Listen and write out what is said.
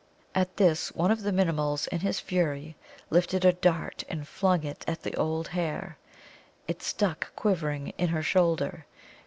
At this, one of the Minimuls in his fury lifted a dart and flung it at the old hare. It stuck, quivering, in her shoulder.